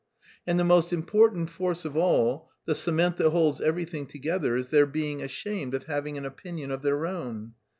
And the most important force of all the cement that holds everything together is their being ashamed of having an opinion of their own.